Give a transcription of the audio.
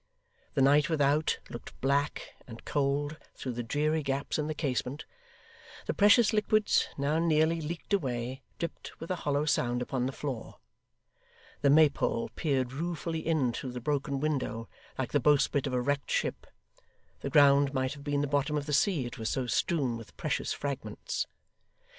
The night, without, looked black and cold through the dreary gaps in the casement; the precious liquids, now nearly leaked away, dripped with a hollow sound upon the floor; the Maypole peered ruefully in through the broken window, like the bowsprit of a wrecked ship; the ground might have been the bottom of the sea, it was so strewn with precious fragments.